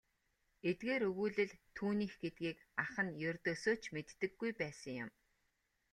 Эдгээр өгүүлэл түүнийх гэдгийг ах нь ердөөсөө ч мэддэггүй байсан юм.